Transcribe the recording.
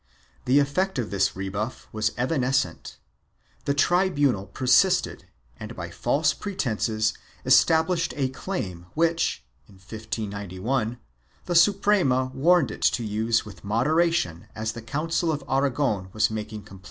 1 The effect of this rebuff was evanescent. The tribunal per sisted and by false pretences established a claim which, in 1591, the Suprema warned it to use with moderation as the Council of Aragon was making complaint.